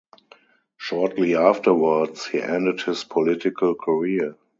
Shortly afterwards he ended his political career.